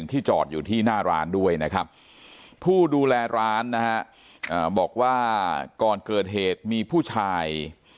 ที่จอดอยู่ที่หน้าร้านด้วยนะครับผู้ดูแลร้านนะฮะบอกว่าก่อนเกิดเหตุมีผู้ชาย